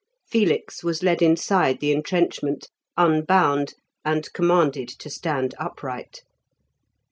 Felix was led inside the entrenchment, unbound, and commanded to stand upright.